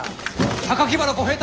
原小平太